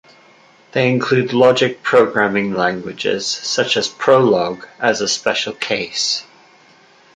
They include logic programming languages such as Prolog as a special case.